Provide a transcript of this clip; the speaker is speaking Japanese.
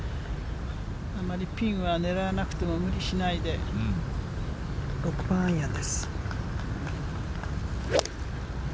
あまりピンは狙わなくても無理し６番アイアンです。